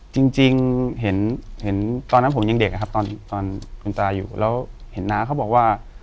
จริงเห็นตอนนั้นผมยังเด็กนะครับตอนคุณตาอยู่แล้วเห็นน้าเขาบอกว่า